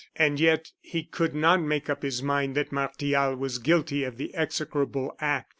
And yet he could not make up his mind that Martial was guilty of the execrable act.